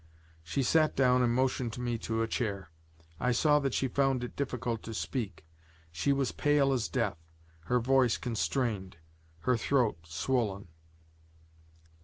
She sat down and motioned me to a chair. I saw that she found it difficult to speak. She was pale as death, her voice constrained, her throat swollen.